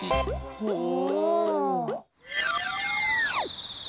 ほう。